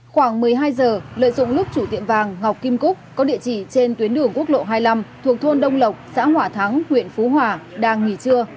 khoảng một mươi hai giờ lợi dụng lúc chủ tiệm vàng ngọc kim cúc có địa chỉ trên tuyến đường quốc lộ hai mươi năm thuộc thôn đông lộc xã hỏa thắng huyện phú hòa đang nghỉ trưa